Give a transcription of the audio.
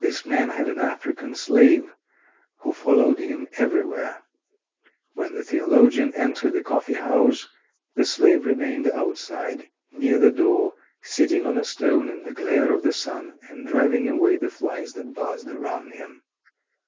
This man had an African slave who followed him everywhere. When the theologian entered the coffee house, the slave remained outside, near the door, sitting on a stone in the glare of the sun, and driving away the flies that buzzed around him.